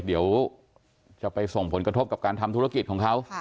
เดี๋ยวจะไปส่งผลกระทบกับการทำธุรกิจของเขา